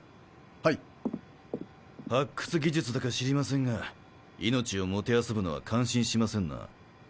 はい発掘技術だか知りませんが命を弄ぶのは感心しませんな